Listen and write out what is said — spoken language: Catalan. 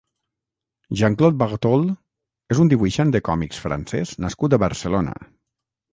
Jean-Claude Bartoll és un dibuixant de còmics francès nascut a Barcelona.